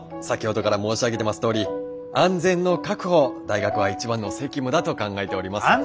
「先ほどから申し上げてますとおり安全の確保を大学は一番の責務だと考えております」。